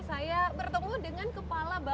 saya bertemu dengan kepala balai besar